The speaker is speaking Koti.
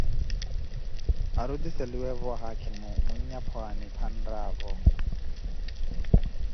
Arutiiseliweevo wa haakhimo, mwinyapwaani phi arnaavo